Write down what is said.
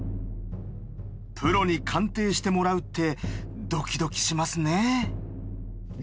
プロに鑑定してもらうってドキドキしますね。